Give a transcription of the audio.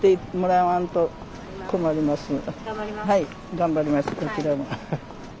はい頑張りますこちらも。